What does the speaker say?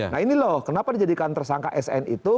nah ini loh kenapa dijadikan tersangka sn itu